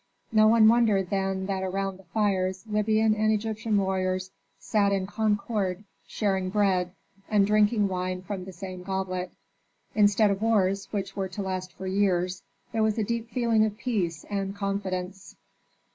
No one wondered then that around the fires Libyan and Egyptian warriors sat in concord sharing bread, and drinking wine from the same goblet. Instead of wars which were to last for years, there was a deep feeling of peace and confidence.